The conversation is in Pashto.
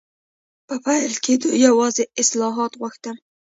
په پیل کې دوی یوازې اصلاحات غوښتل.